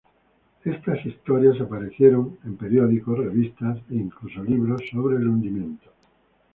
Estas historias aparecieron en periódicos, revistas e incluso libros sobre el hundimiento.